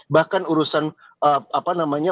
bahkan urusan apa namanya